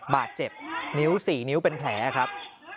บาดเจ็บนิ้ว๔นิ้วเป็นแผลครับ